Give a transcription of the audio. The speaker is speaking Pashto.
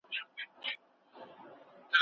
د عادل پاچا په نوم یې وو بللی